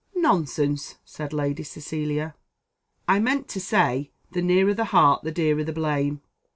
"Nonsense!" said Lady Cecilia. "I meant to say, the nearer the heart the dearer the blame.